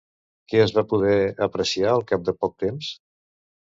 Què es va poder apreciar al cap de poc temps?